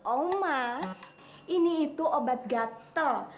oma ini itu obat gatel